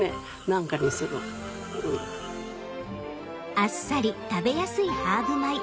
あっさり食べやすいハーブ米。